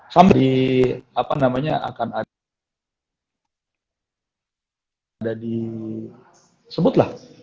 sambil di apa namanya akan ada di sebut lah